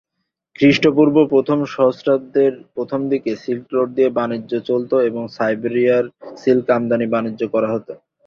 খ্রিস্টপূর্ব প্রথম সহস্রাব্দের প্রথমদিকে সিল্ক রোড দিয়ে বাণিজ্য চলত এবং সাইবেরিয়ায় সিল্ক আমদানি ও বাণিজ্য করা হত।